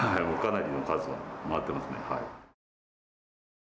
もうかなりの数を回ってますね。